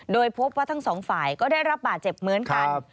โดยพบว่าทั้งสองฝ่ายก็ได้รับบาดเจ็บเหมือนกัน